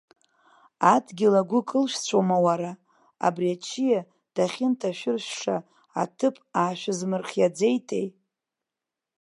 Адгьыл агәы кылышәҵәома, уара, абри аччиа дахьынҭашәыршәша аҭыԥ аашәызмырхиаӡеитеи!